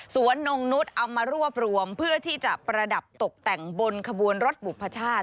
นงนุษย์เอามารวบรวมเพื่อที่จะประดับตกแต่งบนขบวนรถบุพชาติ